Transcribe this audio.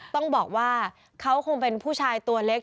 ต้องบอกว่าเขาคงเป็นผู้ชายตัวเล็ก